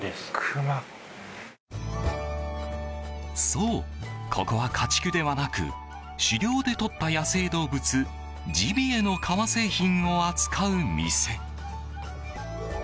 そう、ここは家畜ではなく狩猟でとった野生動物ジビエの革製品を扱う店。